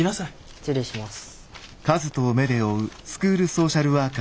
失礼します。